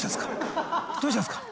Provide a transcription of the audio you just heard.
どうしたんですか？